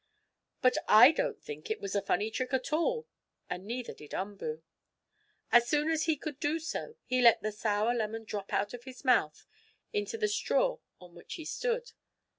But I don't think it was a funny trick at all, and neither did Umboo. As soon as he could do so, he let the sour lemon drop out of his mouth into the straw on which he stood.